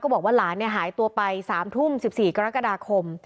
บอกว่าหลานหายตัวไป๓ทุ่ม๑๔กรกฎาคม